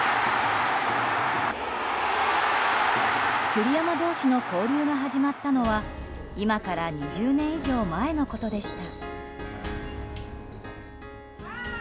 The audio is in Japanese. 栗山同士の交流が始まったのは今から２０年以上前のことでした。